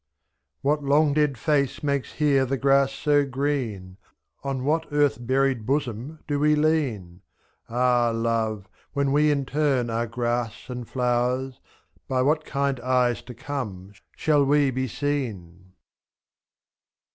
What long dead face makes here the grass so green ? On what earth buried bosom do we lean? ^^ Ah ! love, when we in turn are grass and flowers, By what kind eyes to come shall we be seen?